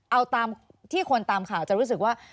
เอาตามที่คนตามข่าวจะรู้สึกว่า